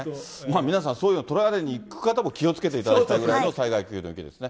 皆さんそういうのを撮られに行く方も気をつけていただきたいぐらいの災害級ということですね。